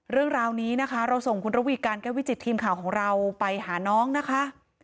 เรื่องราวนี้นะคะเราส่งคุณระวีการแก้ววิจิตทีมข่าวของเราไปหาน้องนะคะ